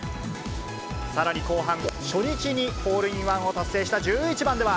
さらに後半、初日にホールインワンを達成した１１番では。